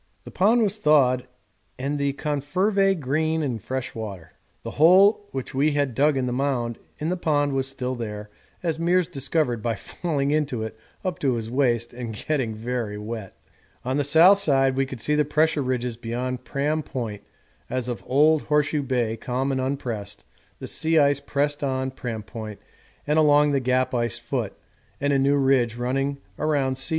The pond was thawed and the #confervae green in fresh water. The hole which we had dug in the mound in the pond was still there, as Meares discovered by falling into it up to his waist and getting very wet. On the south side we could see the Pressure Ridges beyond Pram Point as of old Horseshoe Bay calm and unpressed the sea ice pressed on Pram Point and along the Gap ice foot, and a new ridge running around C.